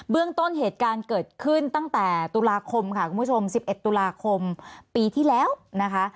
เรื่องต้นเหตุการณ์เกิดขึ้นตั้งแต่ตุลาคมค่ะคุณผู้ชม๑๑ตุลาคมปีที่แล้วนะคะ